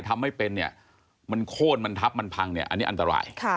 ทำไม่เป็นเนี่ยมันโค้นมันทับมันพังเนี่ยอันนี้อันตราย